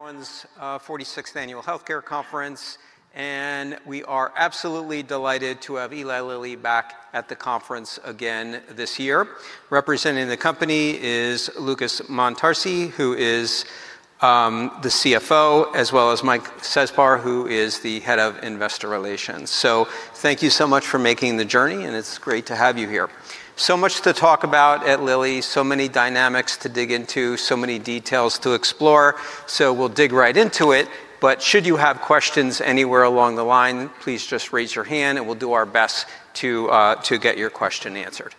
One's 46th Annual Healthcare Conference. We are absolutely delighted to have Eli Lilly back at the conference again this year. Representing the company is Lucas Montarce, who is the CFO, as well as Mike Czapar, who is the Head of Investor Relations. Thank you so much for making the journey. It's great to have you here. Much to talk about at Lilly, so many dynamics to dig into, so many details to explore. We'll dig right into it. Should you have questions anywhere along the line, please just raise your hand and we'll do our best to get your question answered.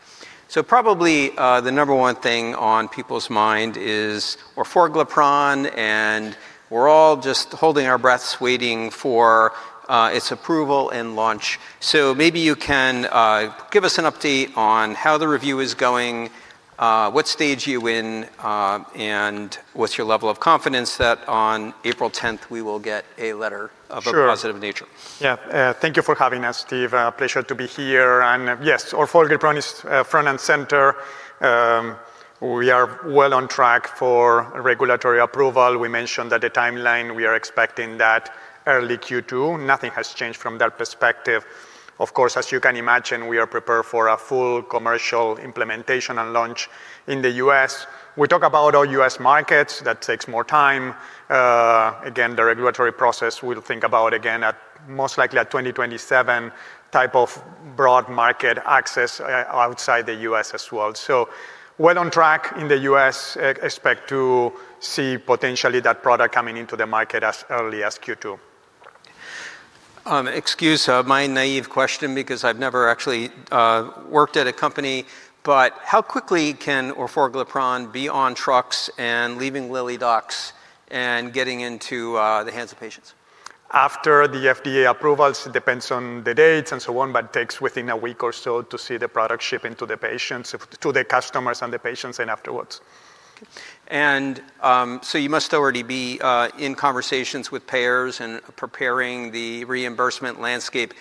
Probably the number one thing on people's mind is orforglipron. We're all just holding our breaths waiting for its approval and launch. Maybe you can give us an update on how the review is going, what stage you in, and what's your level of confidence that on April 10th we will get a letter of a positive nature. Yeah. Thank you for having us, Steve. A pleasure to be here. Yes, orforglipron is front and center. We are well on track for regulatory approval. We mentioned that the timeline, we are expecting that early Q2. Nothing has changed from that perspective. Of course, as you can imagine, we are prepared for a full commercial implementation and launch in the U.S. We talk about all U.S. markets, that takes more time. Again, the regulatory process, we'll think about again at most likely at 2027 type of broad market access outside the U.S. as well. Well on track in the U.S. expect to see potentially that product coming into the market as early as Q2. Excuse my naive question because I've never actually worked at a company, but how quickly can orforglipron be on trucks and leaving Lilly docks and getting into the hands of patients? After the FDA approvals, it depends on the dates and so on, but takes within a week or so to see the product shipping to the patients, to the customers and the patients then afterwards. You must already be in conversations with payers and preparing the reimbursement landscape.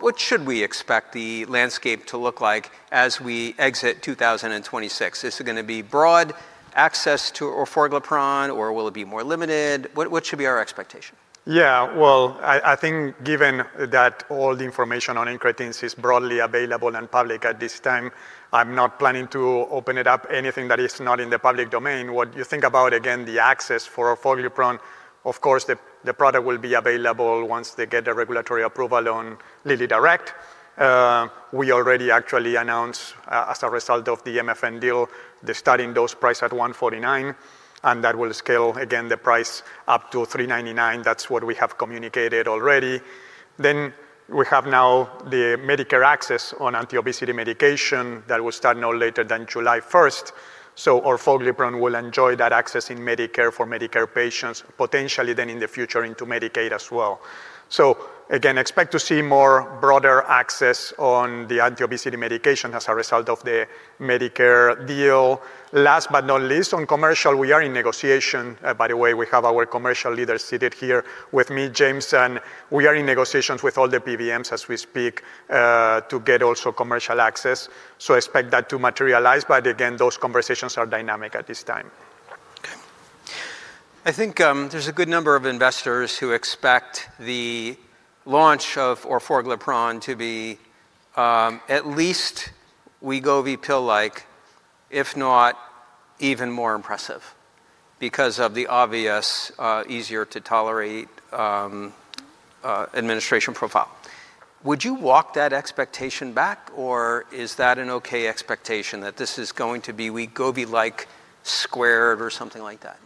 What should we expect the landscape to look like as we exit 2026? Is it going to be broad access to orforglipron, or will it be more limited? What should be our expectation? Well, I think given that all the information on incretins is broadly available and public at this time, I'm not planning to open it up anything that is not in the public domain. What you think about, again, the access for orforglipron, of course, the product will be available once they get the regulatory approval on LillyDirect. We already actually announced as a result of the MFN deal, the starting dose price at $149, that will scale again the price up to $399. That's what we have communicated already. We have now the Medicare access on anti-obesity medication that will start no later than July 1st. orforglipron will enjoy that access in Medicare for Medicare patients, potentially in the future into Medicaid as well. Again, expect to see more broader access on the anti-obesity medication as a result of the Medicare deal. Last but not least, on commercial, we are in negotiation. By the way, we have our commercial leader seated here with me, James, and we are in negotiations with all the PBMs as we speak, to get also commercial access. Expect that to materialize, but again, those conversations are dynamic at this time. Okay. I think, there's a good number of investors who expect the launch of orforglipron to be, at least Wegovy pill-like, if not even more impressive because of the obvious, easier to tolerate, administration profile. Would you walk that expectation back, or is that an okay expectation that this is going to be Wegovy-like squared or something like that?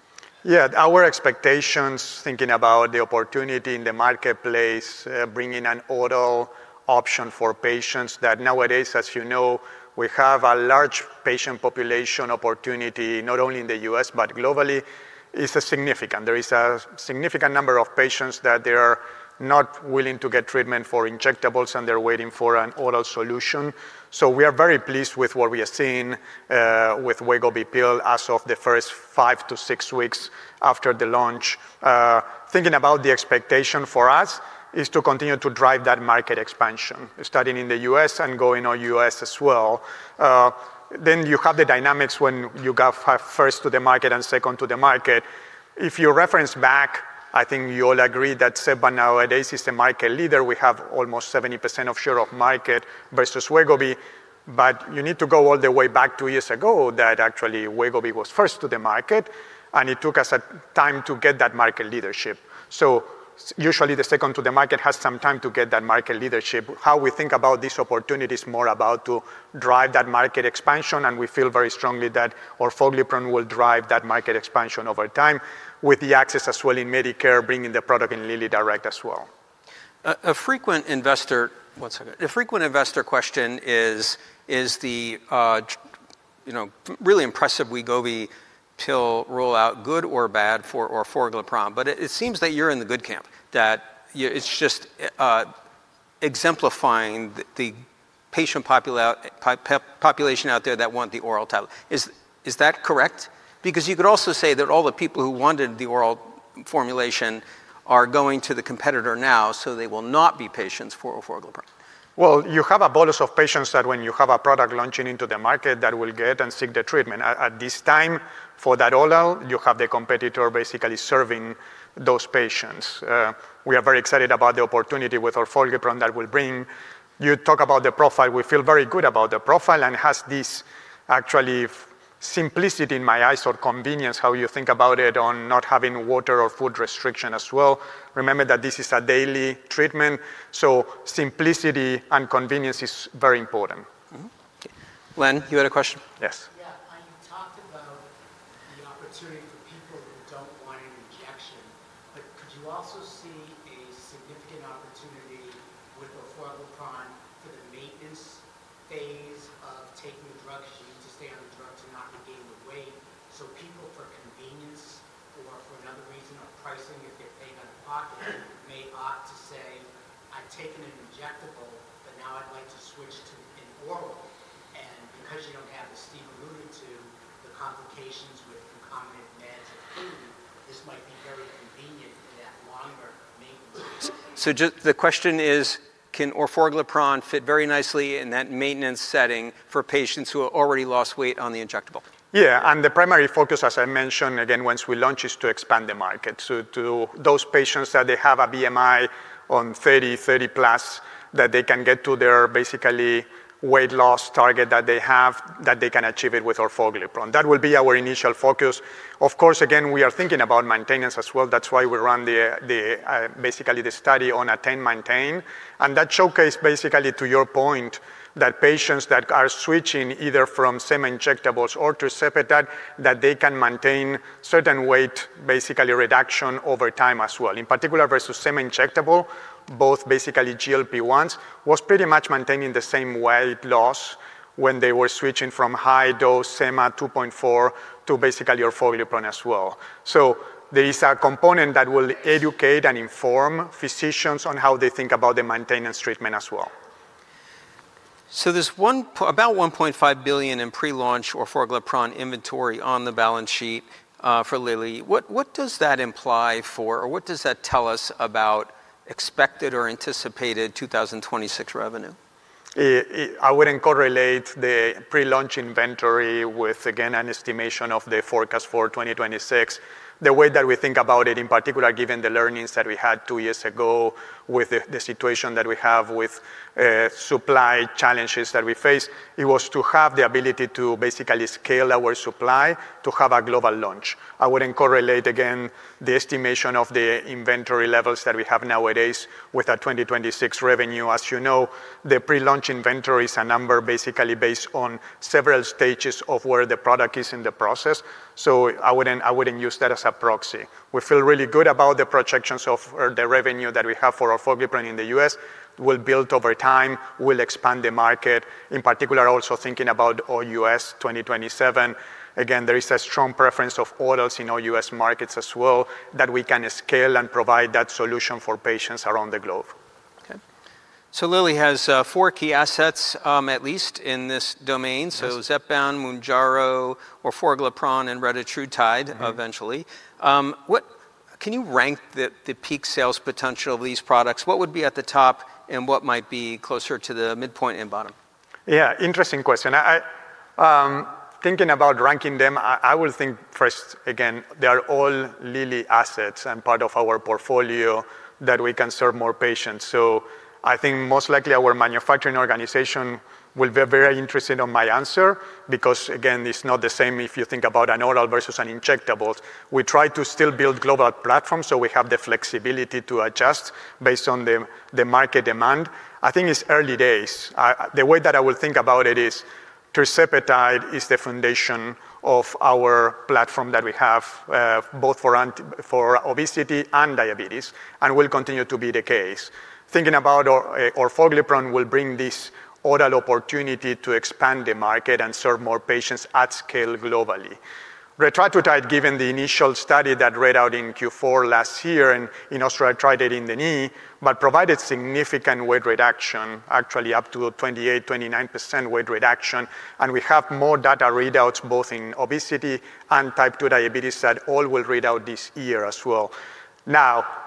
Yeah. Our expectations, thinking about the opportunity in the marketplace, bringing an oral option for patients that nowadays, as you know, we have a large patient population opportunity, not only in the U.S., but globally, is significant. There is a significant number of patients that they are not willing to get treatment for injectables, and they're waiting for an oral solution. We are very pleased with what we are seeing with Wegovy pill as of the first five to six weeks after the launch. Thinking about the expectation for us is to continue to drive that market expansion, starting in the U.S. and going on US as well. Then you have the dynamics when you got first to the market and second to the market. If you reference back, I think you all agree that Zepbound nowadays is the market leader. We have almost 70% of share of market versus Wegovy. You need to go all the way back two years ago that actually Wegovy was first to the market, and it took us a time to get that market leadership. Usually the second to the market has some time to get that market leadership. How we think about this opportunity is more about to drive that market expansion, and we feel very strongly that orforglipron will drive that market expansion over time with the access as well in Medicare, bringing the product in LillyDirect as well. A frequent investor question is, you know, really impressive Wegovy pill rollout good or bad for orforglipron? It seems that you're in the good camp, that it's just exemplifying the patient population out there that want the oral tablet. Is that correct? You could also say that all the people who wanted the oral formulation are going to the competitor now, so they will not be patients for orforglipron. You have a bonus of patients that when you have a product launching into the market that will get and seek the treatment. At this time for that all out, you have the competitor basically serving those patients. We are very excited about the opportunity with orforglipron that will bring. You talk about the profile. We feel very good about the profile, and it has this actually simplicity in my eyes or convenience, how you think about it, on not having water or food restriction as well. Remember that this is a daily treatment, so simplicity and convenience is very important. Len, you had a question? Yes. Yeah. You talked about the opportunity for people who don't want an injection, but could you also see a significant opportunity with orforglipron for the maintenance phase of taking the drug 'cause you need to stay on the drug to not regain the weight. People for convenience or for another reason of pricing, if they're paying out of pocket may opt to say, "I've taken an injectable, but now I'd like to switch to an oral." Because you don't have, as Steve alluded to, the complications with concomitant meds and food, this might be very convenient for that longer maintenance. The question is, can orforglipron fit very nicely in that maintenance setting for patients who have already lost weight on the injectable? Yeah. The primary focus, as I mentioned again once we launch, is to expand the market. To those patients that they have a BMI on 30, 30+ that they can get to their basically weight loss target that they have, that they can achieve it with orforglipron. That will be our initial focus. Of course again, we are thinking about maintenance as well. That's why we run the basically the study on attain maintain. That showcase basically to your point that patients that are switching either from sem injectables or tirzepatide, that they can maintain certain weight, basically reduction over time as well. In particular versus sem injectable, both basically GLP-1s, was pretty much maintaining the same weight loss when they were switching from high-dose Sema 2.4 to basically orforglipron as well. There is a component that will educate and inform physicians on how they think about the maintenance treatment as well. There's about $1.5 billion in pre-launch orforglipron inventory on the balance sheet for Lilly. What does that tell us about expected or anticipated 2026 revenue? I wouldn't correlate the pre-launch inventory with, again, an estimation of the forecast for 2026. The way that we think about it, in particular given the learnings that we had two years ago with the situation that we have with supply challenges that we face, it was to have the ability to basically scale our supply to have a global launch. I wouldn't correlate again the estimation of the inventory levels that we have nowadays with our 2026 revenue. As you know, the pre-launch inventory is a number basically based on several stages of where the product is in the process. I wouldn't use that as a proxy. We feel really good about the projections of the revenue that we have for orforglipron in the U.S. We'll build over time. We'll expand the market. In particular, also thinking about all U.S. 2027. There is a strong preference of orals in all U.S. markets as well that we can scale and provide that solution for patients around the globe. Okay. Lilly has four key assets, at least in this domain. Zepbound, Mounjaro or orforglipron and retatrutide eventually. Can you rank the peak sales potential of these products? What would be at the top, and what might be closer to the midpoint and bottom? Yeah, interesting question. I, thinking about ranking them, I would think first, again, they are all Lilly assets and part of our portfolio that we can serve more patients. I think most likely our manufacturing organization will be very interested on my answer because, again, it's not the same if you think about an oral versus an injectable. We try to still build global platforms, so we have the flexibility to adjust based on the market demand. I think it's early days. The way that I would think about it is tirzepatide is the foundation of our platform that we have, both for obesity and diabetes and will continue to be the case. Thinking about orforglipron will bring this oral opportunity to expand the market and serve more patients at scale globally. Retatrutide, given the initial study that read out in Q4 last year in osteoarthritis in the knee, but provided significant weight reduction, actually up to a 28%, 29% weight reduction. We have more data readouts both in obesity and type 2 diabetes that all will read out this year as well.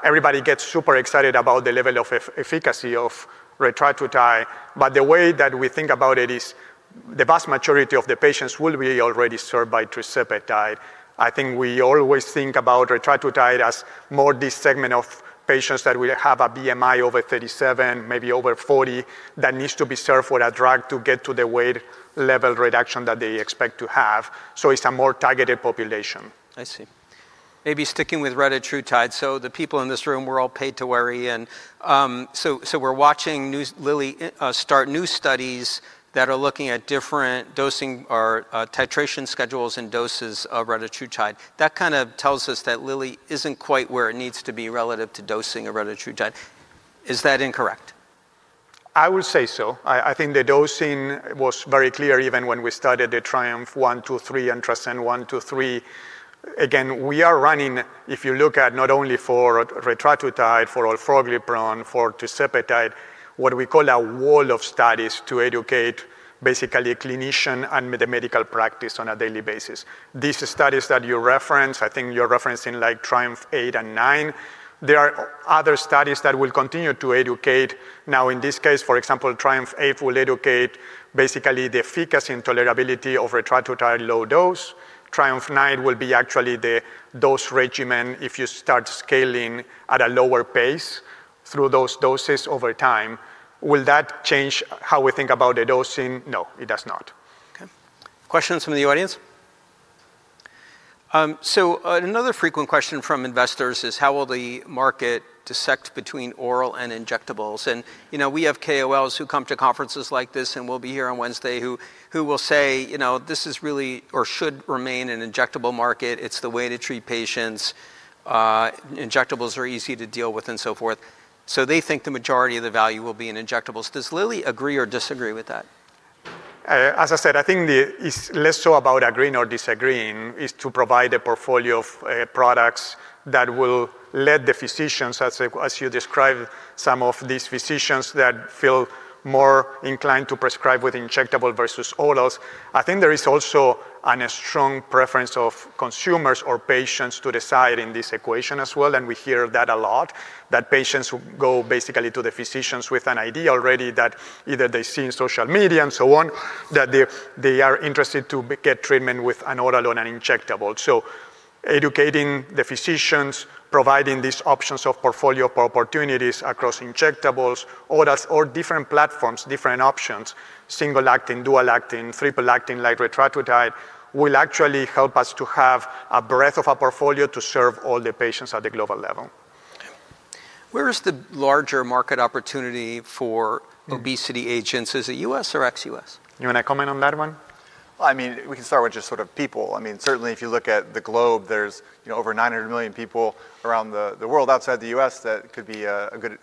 Everybody gets super excited about the level of efficacy of retatrutide, but the way that we think about it is the vast majority of the patients will be already served by tirzepatide. I think we always think about retatrutide as more this segment of patients that will have a BMI over 37, maybe over 40, that needs to be served with a drug to get to the weight level reduction that they expect to have. It's a more targeted population. I see. Maybe sticking with retatrutide. The people in this room, we're all paid to worry. We're watching new Lilly start new studies that are looking at different dosing or titration schedules and doses of retatrutide. That kind of tells us that Lilly isn't quite where it needs to be relative to dosing of retatrutide. Is that incorrect? I would say so. I think the dosing was very clear even when we started the TRIUMPH-1, 2, 3, and TRANSCEND-T2D-1, 2, 3. Again, we are running, if you look at not only for retatrutide, for orforglipron, for tirzepatide, what we call a wall of studies to educate basically a clinician and the medical practice on a daily basis. These studies that you reference, I think you're referencing like TRIUMPH-8 and 9. There are other studies that will continue to educate. Now, in this case, for example, TRIUMPH-8 will educate basically the efficacy and tolerability of retatrutide low dose. TRIUMPH-9 will be actually the dose regimen if you start scaling at a lower pace through those doses over time. Will that change how we think about the dosing? No, it does not. Okay. Questions from the audience? Another frequent question from investors is: how will the market dissect between oral and injectables? You know, we have KOLs who come to conferences like this and will be here on Wednesday who will say, you know, "This is really or should remain an injectable market. It's the way to treat patients. Injectables are easy to deal with," and so forth. They think the majority of the value will be in injectables. Does Lilly agree or disagree with that? As I said, I think it's less so about agreeing or disagreeing. It's to provide a portfolio of products that will let the physicians, as you described, some of these physicians that feel more inclined to prescribe with injectable versus orals. I think there is also an strong preference of consumers or patients to decide in this equation as well, and we hear that a lot, that patients go basically to the physicians with an idea already that either they see in social media and so on, that they are interested to get treatment with an oral or an injectable. Educating the physicians, providing these options of portfolio opportunities across injectables, orals or different platforms, different options, single-acting, dual-acting, triple-acting like retatrutide, will actually help us to have a breadth of a portfolio to serve all the patients at the global level. Okay. Where is the larger market opportunity for obesity agents? Is it U.S. or ex-U.S.? You want to comment on that one? I mean, we can start with just sort of people. I mean, certainly if you look at the globe, there's, you know, over 900 million people around the world outside the U.S. that could be a good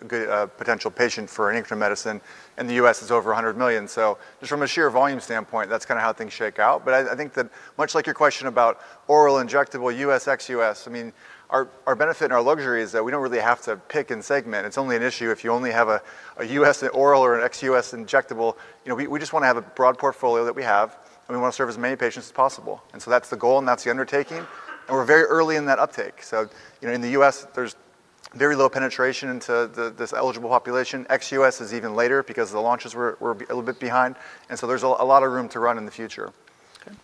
potential patient for an incretin medicine, and the U.S. is over 100 million. Just from a sheer volume standpoint, that's kinda how things shake out. I think that much like your question about oral/injectable, U.S./ex-U.S., I mean, our benefit and our luxury is that we don't really have to pick and segment. It's only an issue if you only have a U.S. oral or an ex-U.S. injectable. You know, we just want to have a broad portfolio that we have, and we want to serve as many patients as possible. That's the goal and that's the undertaking, and we're very early in that uptake. You know, in the U.S., there's very low penetration into this eligible population. Ex-U.S. is even later because the launches were a little bit behind. There's a lot of room to run in the future. Okay.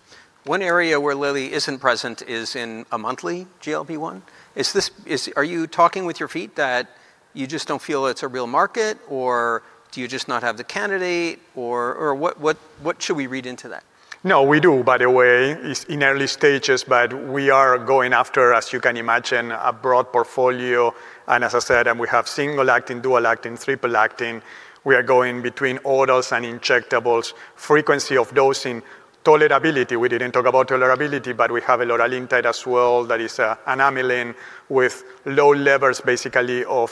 One area where Lilly isn't present is in a monthly GLP-1. Are you talking with your feet that you just don't feel it's a real market, or do you just not have the candidate, or what should we read into that? No, we do, by the way. It's in early stages, but we are going after, as you can imagine, a broad portfolio. As I said, we have single-acting, dual-acting, triple-acting. We are going between orals and injectables. Frequency of dosing. Tolerability. We didn't talk about tolerability, but we have a eloralintide as well that is an amylin with low levels basically of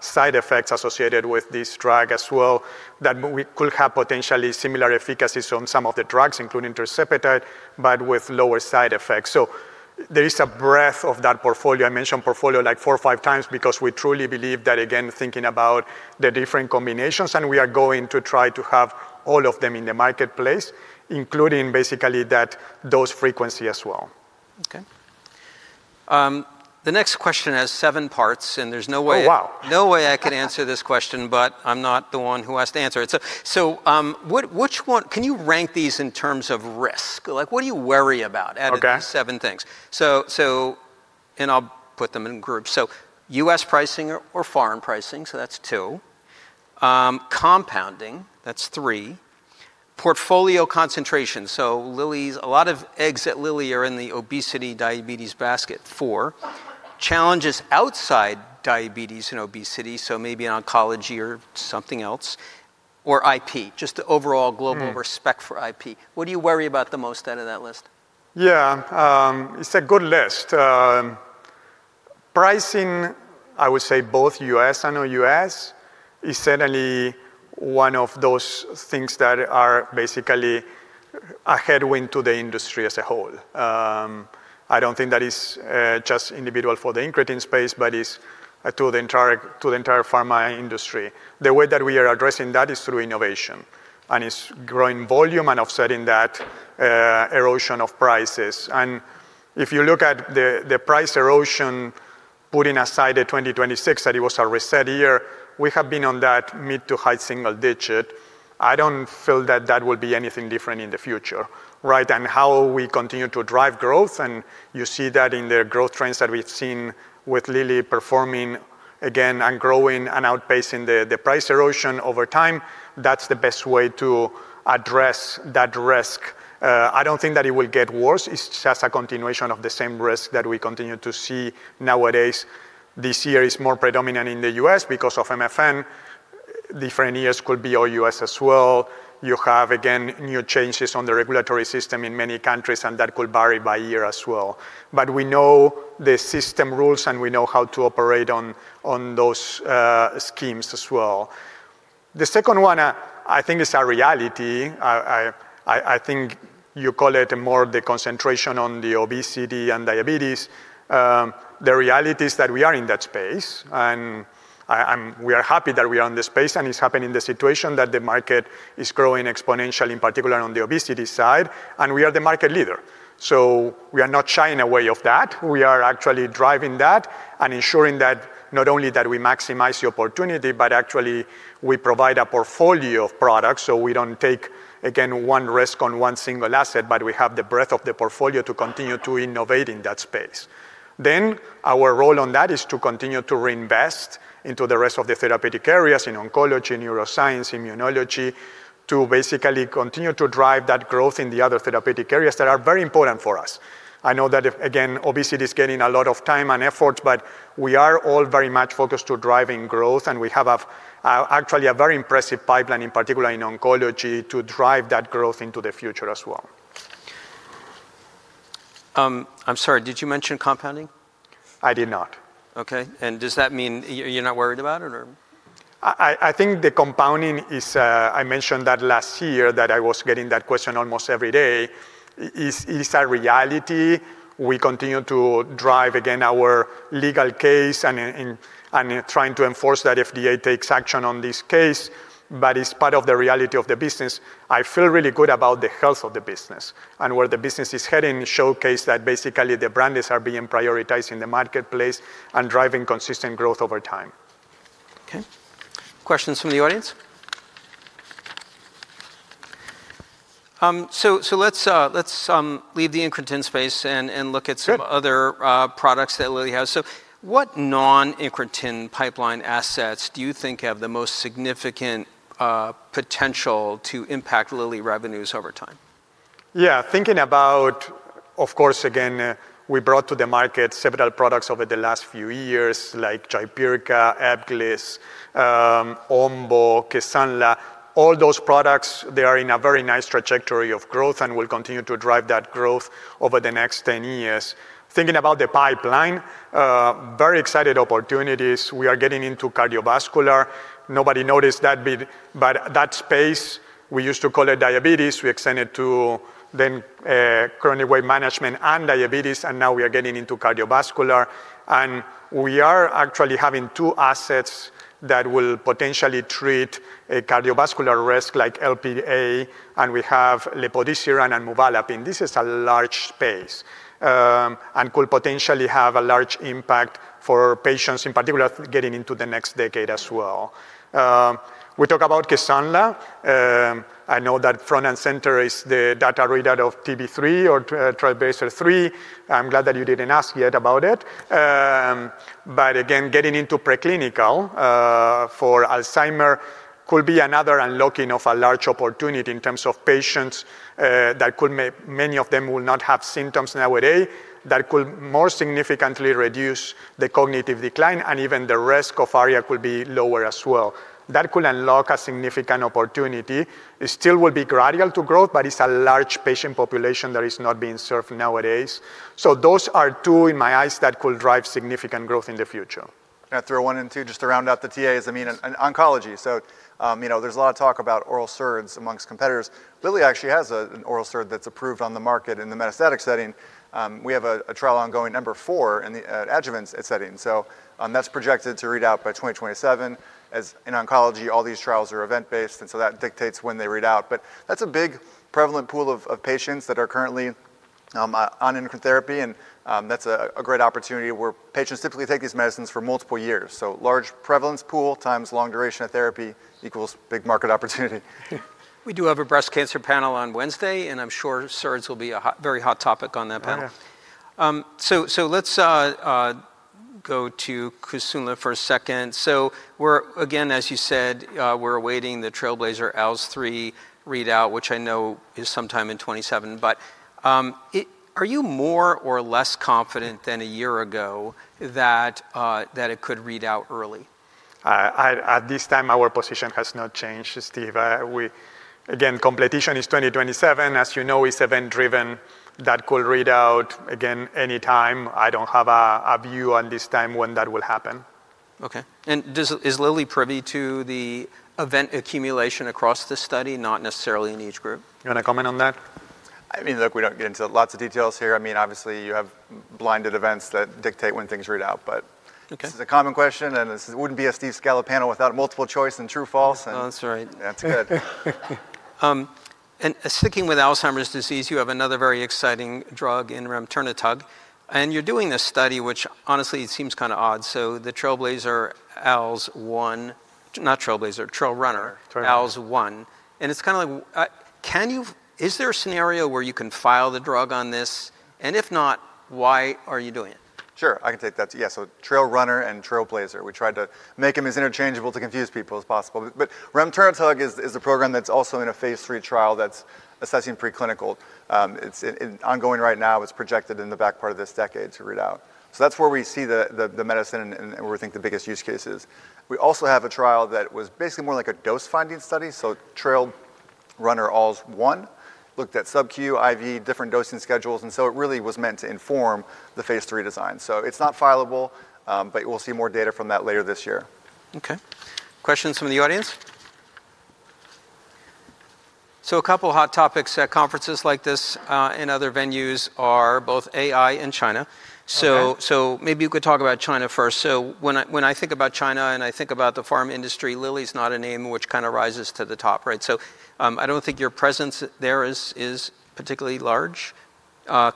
side effects associated with this drug as well, that we could have potentially similar efficacy on some of the drugs, including tirzepatide, but with lower side effects. There is a breadth of that portfolio. I mentioned portfolio like four or five times because we truly believe that, again, thinking about the different combinations, we are going to try to have all of them in the marketplace, including basically that dose frequency as well. The next question has seven parts, and there's no way I could answer this question, but I'm not the one who has to answer it. Which one? Can you rank these in terms of risk? Like, what do you worry about out of these seven things? So, I'll put them in groups. U.S. pricing or foreign pricing, that's two. Compounding, that's three. Portfolio concentration. A lot of eggs at Lilly are in the obesity/diabetes basket. four, challenges outside diabetes and obesity, so maybe in oncology or something else. IP, just the overall global respect for IP. What do you worry about the most out of that list? It's a good list. Pricing, I would say both U.S. and non-U.S., is certainly one of those things that are basically a headwind to the industry as a whole. I don't think that is just individual for the incretin space, but it's to the entire pharma industry. The way that we are addressing that is through innovation, and it's growing volume and offsetting that erosion of prices. If you look at the price erosion, putting aside the 2026 that it was a reset year, we have been on that mid to high single digit. I don't feel that that will be anything different in the future, right? How we continue to drive growth, and you see that in the growth trends that we've seen with Lilly performing again and growing and outpacing the price erosion over time. That's the best way to address that risk. I don't think that it will get worse. It's just a continuation of the same risk that we continue to see nowadays. This year is more predominant in the U.S. because of MFN. Different years could be all U.S. as well. You have, again, new changes on the regulatory system in many countries, and that could vary by year as well. We know the system rules, and we know how to operate on those schemes as well. The second one, I think is a reality. I think you call it more the concentration on the obesity and diabetes. The reality is that we are in that space, and we are happy that we are in the space, and it's happening in the situation that the market is growing exponentially, in particular on the obesity side, and we are the market leader. We are not shying away of that. We are actually driving that and ensuring that not only that we maximize the opportunity, but actually we provide a portfolio of products, so we don't take, again, one risk on one single asset, but we have the breadth of the portfolio to continue to innovate in that space. Our role on that is to continue to reinvest into the rest of the therapeutic areas in oncology, neuroscience, immunology, to basically continue to drive that growth in the other therapeutic areas that are very important for us. I know that, again, obesity is getting a lot of time and effort, but we are all very much focused to driving growth, and we havee, actually a very impressive pipeline, in particular in oncology, to drive that growth into the future as well. I'm sorry, did you mention compounding? I did not. Okay. Does that mean you're not worried about it? I think the compounding is, I mentioned that last year that I was getting that question almost every day. It's a reality. We continue to drive, again, our legal case and in trying to enforce that FDA takes action on this case. It's part of the reality of the business. I feel really good about the health of the business and where the business is heading showcase that basically the brand is, are being prioritized in the marketplace and driving consistent growth over time. Okay. Questions from the audience. Let's leave the incretin space and look at some other products that Lilly has. What non-incretin pipeline assets do you think have the most significant potential to impact Lilly revenues over time? Yeah. Thinking about, of course, again, we brought to the market several products over the last few years like Jaypirca, Ebglyss, Omvoh, Kisunla. All those products, they are in a very nice trajectory of growth and will continue to drive that growth over the next 10 years. Thinking about the pipeline, very excited opportunities. We are getting into cardiovascular. Nobody noticed that space, we used to call it diabetes. We extended to then, chronic weight management and diabetes. Now we are getting into cardiovascular. We are actually having two assets that will potentially treat a cardiovascular risk like Lp(a), and we have lepodisiran and muvalaplin. This is a large space, and could potentially have a large impact for patients, in particular getting into the next decade as well. We talk about Kisunla. I know that front and center is the data readout of TRAILBLAZER. I'm glad that you didn't ask yet about it. Again, getting into preclinical for Alzheimer could be another unlocking of a large opportunity in terms of patients that many of them will not have symptoms nowadays that could more significantly reduce the cognitive decline, and even the risk of ARIA could be lower as well. That could unlock a significant opportunity. It still will be gradual to growth, but it's a large patient population that is not being served nowadays. Those are two in my eyes that could drive significant growth in the future. Can I throw one and two just to round out the TAs? I mean, in oncology. You know, there's a lot of talk about oral SERDs amongst competitors. Lilly actually has an oral SERD that's approved on the market in the metastatic setting. We have a trial ongoing number 4 in the adjuvant setting. That's projected to read out by 2027. As in oncology, all these trials are event-based, that dictates when they read out. That's a big prevalent pool of patients that are currently on endocrine therapy, and that's a great opportunity where patients typically take these medicines for multiple years. Large prevalence pool times long duration of therapy equals big market opportunity. We do have a breast cancer panel on Wednesday. I'm sure SERDs will be a hot, very hot topic on that panel. Let's go to Kisunla for a second. We're again, as you said, we're awaiting the TRAILBLAZER-ALZ 3 readout, which I know is sometime in 2027. Are you more or less confident than a year ago that it could read out early? At this time, our position has not changed, Steve. Again, completion is 2027. As you know, it's event-driven. That could read out again anytime. I don't have a view on this time when that will happen. Okay. Is Lilly privy to the event accumulation across this study, not necessarily in each group? You want to comment on that? I mean, look, we don't get into lots of details here. I mean, obviously, you have blinded events that dictate when things read out. This is a common question, and this wouldn't be a Steven Scala panel without multiple choice and true false. That's right. Sticking with Alzheimer's disease, you have another very exciting drug in remternetug. You're doing this study, which honestly it seems kinda odd. The Trailblazer ALZ-1, not Trailblazer, Trail Runner- TRAILRUNNER-ALZ-1, it's kind of like, is there a scenario where you can file the drug on this? If not, why are you doing it? Sure, I can take that. TRAILRUNNER and TRAILBLAZER, we tried to make them as interchangeable to confuse people as possible. Remternetug is a program that's also in a phase III trial that's assessing preclinical. It's ongoing right now. It's projected in the back part of this decade to read out. That's where we see the medicine and where we think the biggest use case is. We also have a trial that was basically more like a dose-finding study. TRAILRUNNER-ALZ-1 looked that subQ, IV, different dosing schedules, and so it really was meant to inform the phase III design. It's not fileable, but we'll see more data from that later this year. Okay. Questions from the audience? A couple of hot topics at conferences like this, and other venues are both AI and China. Maybe you could talk about China first. When I think about China, and I think about the pharma industry, Lilly's not a name which kind of rises to the top, right? I don't think your presence there is particularly large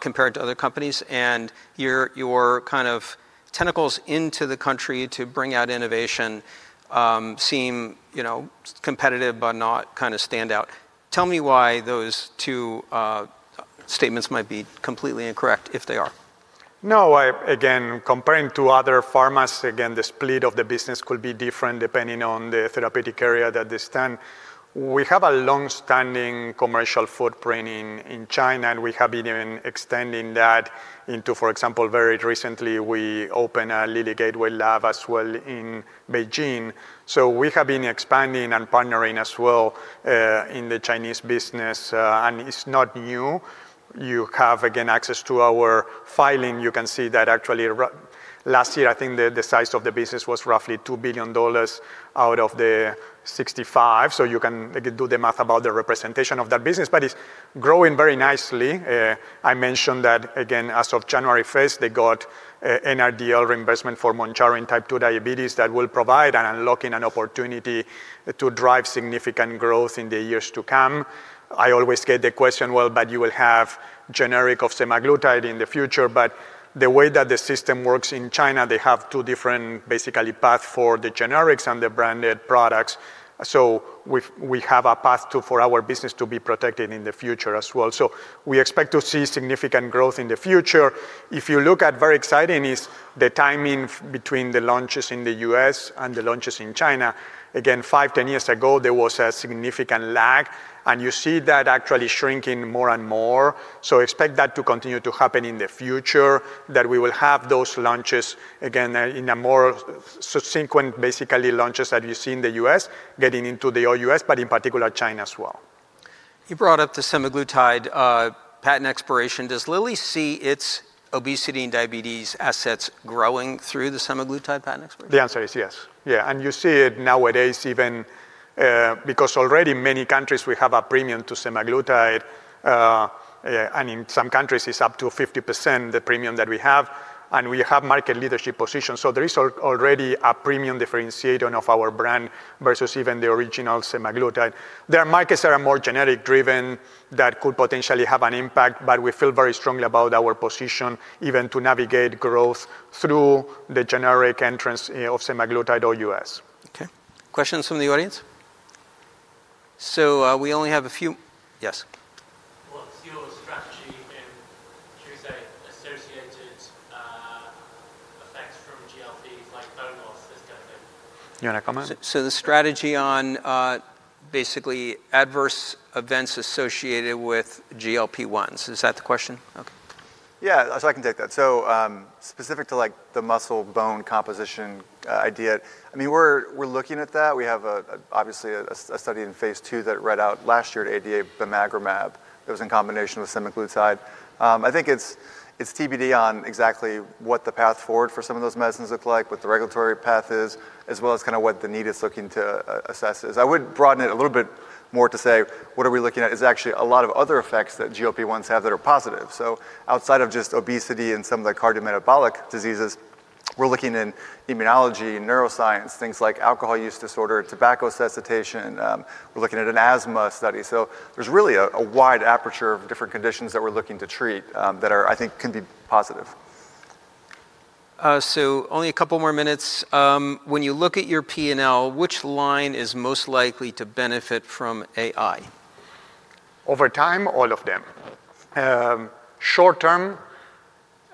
compared to other companies, and your kind of tentacles into the country to bring out innovation seem, you know, competitive, but not kinda standout. Tell me why those two statements might be completely incorrect if they are. No. Again, comparing to other pharmas, again, the split of the business could be different depending on the therapeutic area that they stand. We have a long-standing commercial footprint in China. For example, very recently, we opened a Lilly Gateway lab as well in Beijing. We have been expanding and partnering as well in the Chinese business, and it's not new. You have, again, access to our filing. You can see that actually last year, I think the size of the business was roughly $2 billion out of the 65. You can, again, do the math about the representation of that business. It's growing very nicely. I mentioned that, again, as of January first, they got a NIDL reimbursement for Mounjaro in type 2 diabetes that will provide and unlock an opportunity to drive significant growth in the years to come. I always get the question, "Well, you will have generic of semaglutide in the future." The way that the system works in China, they have two different basically path for the generics and the branded products. We have a path for our business to be protected in the future as well. We expect to see significant growth in the future. If you look at very exciting is the timing between the launches in the U.S. and the launches in China. Again, five, 10 years ago, there was a significant lag, you see that actually shrinking more and more. Expect that to continue to happen in the future, that we will have those launches again, in a more sequent basically launches that you see in the U.S. getting into the all U.S., but in particular China as well. You brought up the semaglutide patent expiration. Does Lilly see its obesity and diabetes assets growing through the semaglutide patent expiration? The answer is yes. Yeah, you see it nowadays even, because already many countries we have a premium to semaglutide, and in some countries it's up to 50% the premium that we have, and we have market leadership position. There is already a premium differentiation of our brand versus even the original semaglutide. There are markets that are more generic-driven that could potentially have an impact, but we feel very strongly about our position even to navigate growth through the generic entrance, you know, of semaglutide all U.S. Okay. Questions from the audience? We only have a few. Yes. What's your strategy in, should we say, associated effects from GLPs like bone loss, this kind of thing? You want to comment? The strategy on basically adverse events associated with GLP-1s, is that the question? Okay. Yeah. I can take that. Specific to like the muscle-bone composition idea, I mean, we're looking at that. We have obviously a study in phase II that read out last year at ADA, bimagrumab. It was in combination with semaglutide. I think it's TBD on exactly what the path forward for some of those medicines look like, what the regulatory path is, as well as kinda what the need is looking to assess is. I would broaden it a little bit more to say what are we looking at is actually a lot of other effects that GLP-1s have that are positive. Outside of just obesity and some of the cardiometabolic diseases, we're looking in immunology, neuroscience, things like alcohol use disorder, tobacco cessation, we're looking at an asthma study, there's really a wide aperture of different conditions that we're looking to treat, I think can be positive. Only a couple more minutes. When you look at your P&L, which line is most likely to benefit from AI? Over time, all of them. Short-term,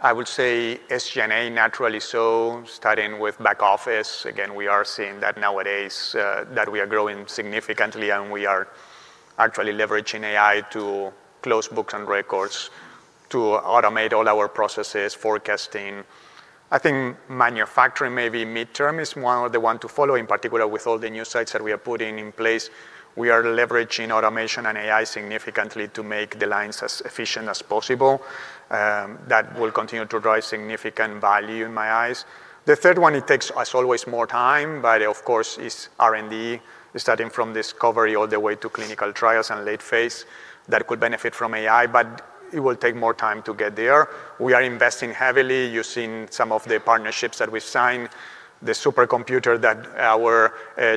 I would say SG&A naturally so, starting with back office. Again, we are seeing that nowadays that we are growing significantly, and we are actually leveraging AI to close books and records to automate all our processes, forecasting. I think manufacturing maybe midterm is one of the one to follow, in particular with all the new sites that we are putting in place. We are leveraging automation and AI significantly to make the lines as efficient as possible. That will continue to drive significant value in my eyes. The third one, it takes us always more time, but of course is R&D, starting from discovery all the way to clinical trials and late phase that could benefit from AI, but it will take more time to get there. We are investing heavily. You've seen some of the partnerships that we've signed. The supercomputer that our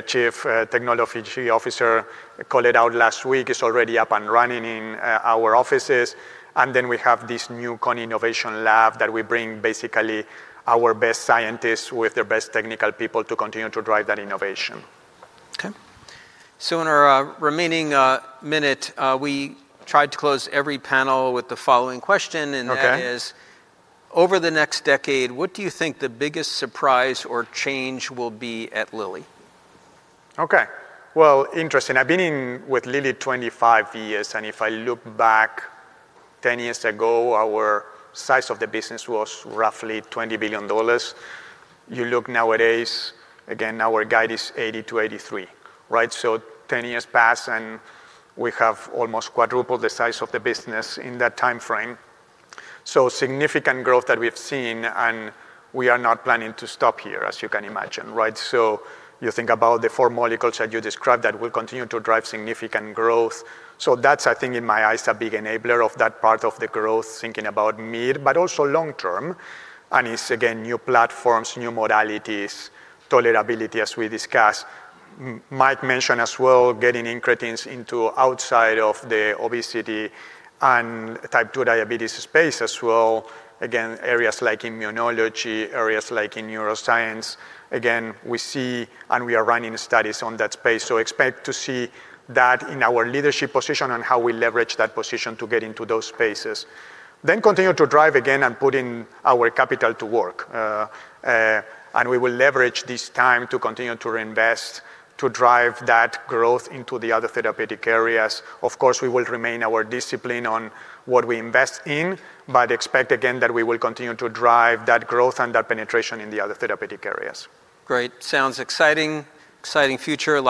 chief technology officer called it out last week is already up and running in our offices. We have this new Conn Innovation Lab that we bring basically our best scientists with their best technical people to continue to drive that innovation. Okay. In our remaining minute, we try to close every panel with the following question. That is, over the next decade, what do you think the biggest surprise or change will be at Lilly? Okay. Well, interesting. I've been in with Lilly 25 years, and if I look back 10 years ago, our size of the business was roughly $20 billion. You look nowadays, again, our guide is $80 billion-$83 billion, right? 10 years pass, and we have almost quadruple the size of the business in that timeframe. Significant growth that we have seen, and we are not planning to stop here, as you can imagine, right? You think about the four molecules that you described that will continue to drive significant growth. That's, I think in my eyes, a big enabler of that part of the growth, thinking about mir, but also long-term. It's again, new platforms, new modalities, tolerability, as we discussed. Might mention as well getting incretins into outside of the obesity and type 2 diabetes space as well. Again, areas like immunology, areas like in neuroscience. Again, we see and we are running studies on that space. Expect to see that in our leadership position on how we leverage that position to get into those spaces. Continue to drive again and putting our capital to work. We will leverage this time to continue to reinvest, to drive that growth into the other therapeutic areas. Of course, we will remain our discipline on what we invest in. Expect again that we will continue to drive that growth and that penetration in the other therapeutic areas. Great. Sounds exciting. Exciting future.